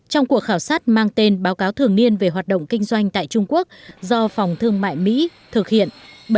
trong cuộc khảo sát mang tên báo cáo thường niên về hoạt động kinh doanh tại trung quốc do phòng thương mại mỹ thực hiện